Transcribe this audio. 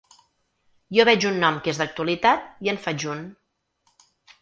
Jo veig un nom que és d’actualitat i en faig un.